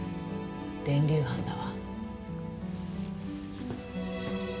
電流斑だわ。